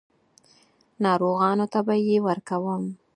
ناروغانو ته به یې ورکوم.